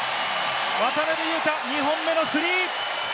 渡邊雄太、２本目のスリー！